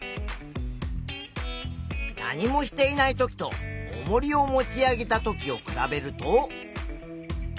何もしていないときとおもりを持ち上げたときを比べると。